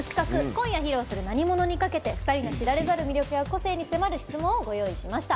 今夜、披露する「なにもの」にかけて２人の知られざる魅力や個性に迫る質問をご用意しました。